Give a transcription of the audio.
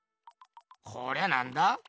こりゃなんだ？